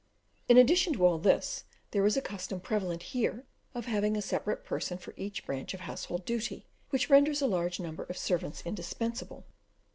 In addition to all this, there is a custom prevalent here, of having a separate person for each branch of household duty, which renders a large number of servants indispensable.